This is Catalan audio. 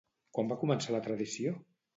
Quan va començar la tradició?